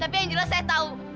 tapi yang jelas saya tahu